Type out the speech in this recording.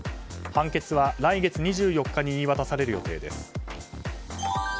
判決は来月２４日に言い渡される予定です。